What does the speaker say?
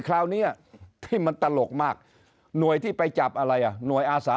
คราวนี้ที่มันตลกมากหน่วยที่ไปจับอะไรอ่ะหน่วยอาสา